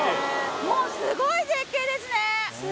もうスゴイ絶景ですね！